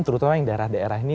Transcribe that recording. terutama yang daerah daerah ini